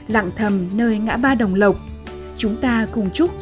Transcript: lằng thầm nơi ngã ba đồng lộc